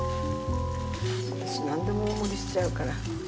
私何でも大盛りしちゃうから。